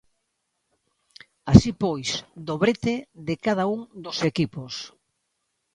Así pois, 'dobrete' de cada un dos equipos.